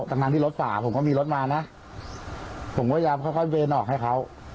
ตั้งทั้งที่รถฝ่าผมก็มีรถมาน่ะผมก็ยามค่อยค่อยเบนออกให้เขา